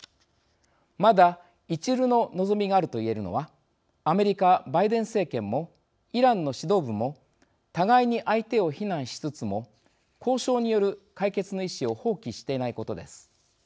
まだ、いちるの望みがあると言えるのはアメリカ・バイデン政権もイランの指導部も互いに相手を非難しつつも交渉による解決の意思を放棄していないことです。